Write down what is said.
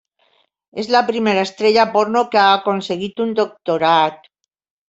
És la primera estrella porno que ha aconseguit un doctorat.